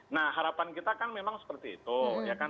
nah harapan kita kan memang seperti itu ya kan